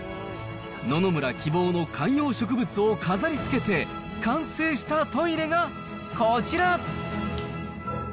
野々村希望の観葉植物を飾りつけて、完成したトイレがこちら。